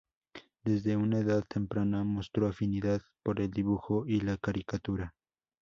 Desde una edad temprana mostró afinidad por el dibujo y la caricatura.